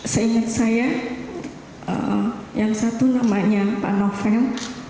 seingat saya yang satu namanya pak novel